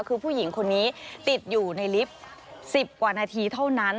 คือผู้หญิงคนนี้ติดอยู่ในลิฟต์๑๐กว่านาทีเท่านั้น